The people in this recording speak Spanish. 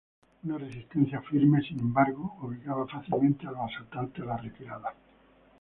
Una resistencia firme, sin embargo, obligaba fácilmente a los asaltantes a la retirada.